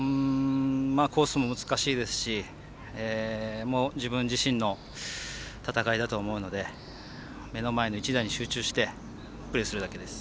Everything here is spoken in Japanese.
コースも難しいですし自分自身の戦いだと思うので目の前の一打に集中してプレーするだけです。